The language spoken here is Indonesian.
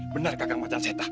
benar kakak matan seta